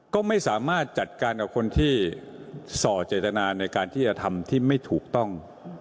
ก็ไม่สามารถจัดการกับคนที่ส่อเจตนาในการที่จะทำที่ไม่ถูกต้อง